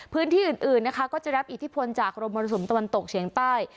พื้นที่อื่นนะคะก็จะรับอิทธิพลจากรมมรสุมตะวันตกเฉียงใต้